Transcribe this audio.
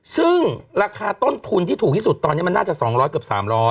ซึ่งราคาต้นทุนที่ถูกที่สุดตอนนี้มันน่าจะ๒๐๐เกือบ๓๐๐